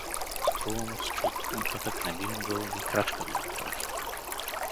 Струва му се, че оттук нататък не би могъл ни крачка да направи.